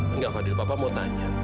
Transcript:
enggak tuh pak